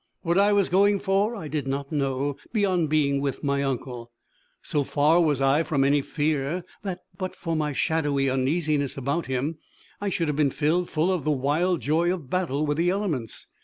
What I was going for I did not know, beyond being with my uncle. So far was I from any fear, that, but for my shadowy uneasiness about him, I should have been filled full of the wild joy of battle with the elements.